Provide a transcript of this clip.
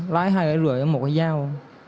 lái hai cái lưỡi một cái dao